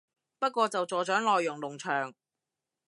不過就助長內容農場